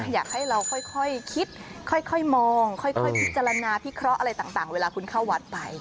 อยากให้เราค่อยคิดค่อยมองค่อยพิจารณาพิเคราะห์อะไรต่างเวลาคุณเข้าวัดไป